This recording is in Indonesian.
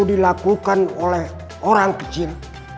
dilakukan oleh orang kecil